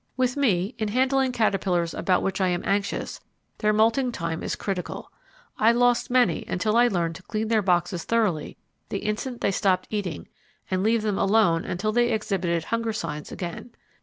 With me, in handling caterpillars about which I am anxious, their moulting time is critical. I lost many until I learned to clean their boxes thoroughly the instant they stopped eating and leave them alone until they exhibited hunger signs again.